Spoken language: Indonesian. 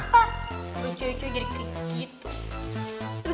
sebelum cowok cowoknya jadi kriki gitu